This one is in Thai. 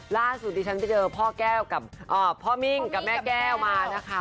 ดิฉันจะเจอพ่อแก้วกับพ่อมิ้งกับแม่แก้วมานะคะ